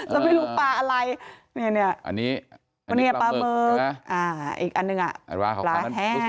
จะไม่รู้ปลาอะไรเนี่ยอันนี้ปลาหมึกอีกอันหนึ่งปลาแห้ง